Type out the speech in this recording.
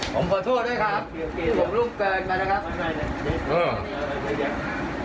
ผมขอโทษด้วยครับผมลูกเกินไปนะครับ